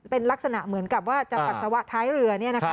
เป็นลักษณะเหมือนกับว่าจะปัสสาวะท้ายเรือ